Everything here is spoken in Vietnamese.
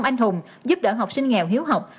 anh hùng giúp đỡ học sinh nghèo hiếu học